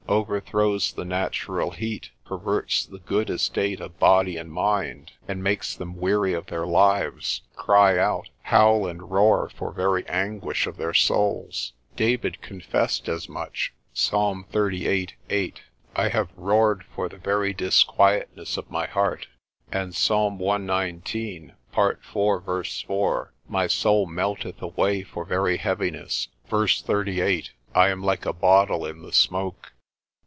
Overthrows the natural heat, perverts the good estate of body and mind, and makes them weary of their lives, cry out, howl and roar for very anguish of their souls. David confessed as much, Psalm xxxviii. 8, I have roared for the very disquietness of my heart. And Psalm cxix. 4, part 4 v. My soul melteth away for very heaviness, v. 38. I am like a bottle in the smoke.